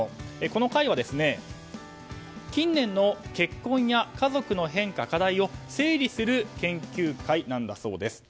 この会は近年の結婚や家族の変化、課題を整理する研究会なんだそうです。